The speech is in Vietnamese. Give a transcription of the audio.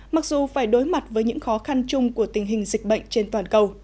mặc dù phải đối mặt với những khó khăn chung của tình hình dịch bệnh trên toàn cầu